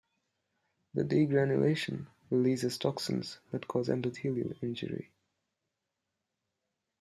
The degranulation releases toxins that cause endothelial injury.